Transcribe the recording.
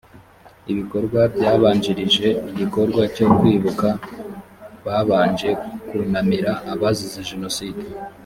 ibikorwa byabanjirije igikorwa cyo kwibuka babanje kunamira abazize jenoside